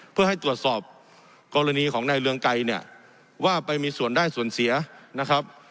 เพื่อให้ตรวจสอบกรณีของนายเรืองไกรเนี่ยว่าไปมีส่วนได้ส่วนเสียนะครับ